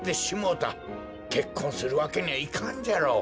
けっこんするわけにはいかんじゃろ。